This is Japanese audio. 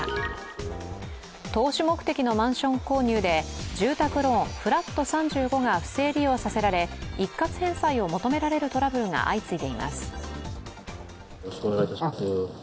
投資目的のマンション購入で住宅ローン、フラット３５が不正利用させられ一括返済を求められるトラブルが相次いでいます。